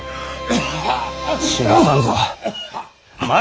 まだ死なさんぞ！